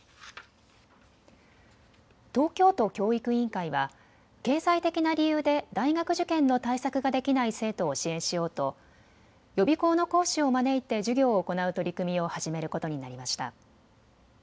東京都教育委員会は経済的な理由で大学受験の対策ができない生徒を支援しようと予備校の講師を招いて授業を行う取り組みを始めることになりました。